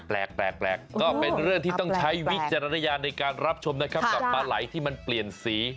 แปลกก็เป็นเรื่องที่ต้องใช้วิจารณญาณในการรับชมนะครับกับปลาไหล่ที่มันเปลี่ยนสี